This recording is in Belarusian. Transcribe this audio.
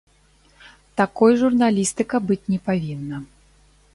Такой журналістыка быць не павінна.